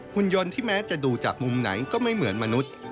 คุณยนต์ที่แม้จะดูจากมุมไหนก็ไม่เหมือนมนุษย์